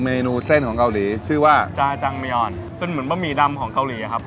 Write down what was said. มีดูเช่นของเกาหลีชื่อว่าจางไว้นอนเป็นหมี่ดำของเกาหลีครับ